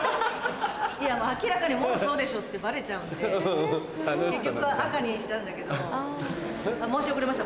いや明らかにもろそうでしょってバレちゃうんで結局赤にしたんだけどあっ申し遅れました。